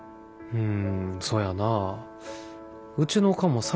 うん。